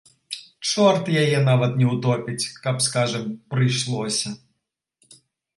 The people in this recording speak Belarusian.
Чорт яе нават не ўтопіць, каб, скажам, прыйшлося.